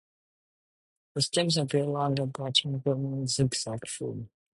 The stems are very long and branching and grow in a zigzag form.